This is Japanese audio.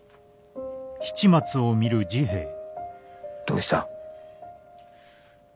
どうした？